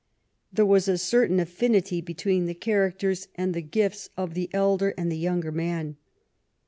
There was a certain affinity between the characters and the gifts of the elder and the younger man.